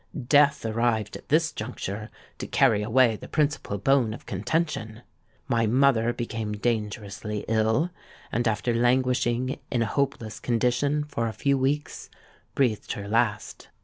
Death arrived at this juncture to carry away the principal bone of contention. My mother became dangerously ill, and after languishing in a hopeless condition for a few weeks, breathed her last.